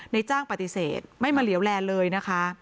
ในจ้างปฏิเสธไม่มาเหลวแลเลยนะคะ